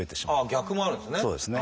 逆もあるんですね。